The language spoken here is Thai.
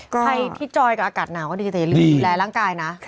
ใครพิจอยต์กับอากาศหนาวอีกละล่างกายนะ